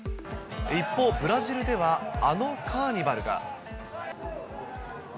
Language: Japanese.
一方、ブラジルでは、あのカーニバルが。